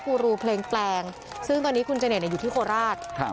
ครูรูเพลงแปลงซึ่งตอนนี้คุณเจเน่อยู่ที่โคราชครับ